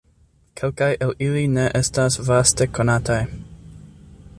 Kelkaj el ili ne estas vaste konataj.